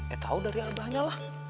eh tau dari abahnya lah